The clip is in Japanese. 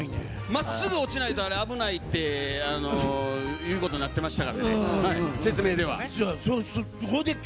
真っすぐ落ちないとあれは危ないっていうことになってましたからね。